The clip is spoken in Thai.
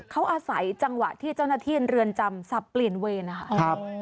เขาอาศัยจังหวะที่เจ้าหน้าที่เรือนจำสับเปลี่ยนเวรนะคะ